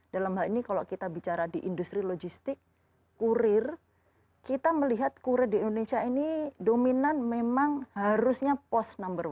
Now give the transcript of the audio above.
dalam hal ini kalau kita bicara di industri logistik kurir kita melihat kurir di indonesia ini dominan memang harusnya post number